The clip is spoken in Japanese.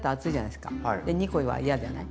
で２コは嫌じゃない？